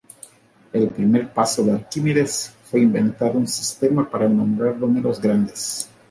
El primer paso de Arquímedes fue inventar un sistema para nombrar números grandes.